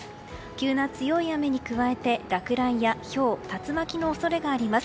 急な強い雨に加えて落雷やひょう竜巻の恐れがあります。